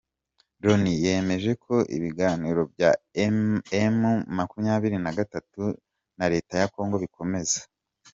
Loni yemeje ko ibiganiro bya emu makumyabiri nagatatu na Leta ya kongo bikomeza